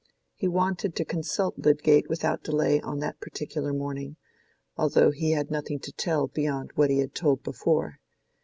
He wanted to consult Lydgate without delay on that particular morning, although he had nothing to tell beyond what he had told before.